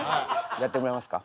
やってもらいますか。